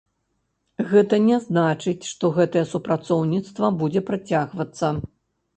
Гэта не значыць, што гэтае супрацоўніцтва будзе працягвацца.